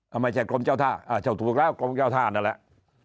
ไม่ใช่กรมเจ้าท่าเจ้าถูกแล้วกรมเจ้าท่านั่นแหละ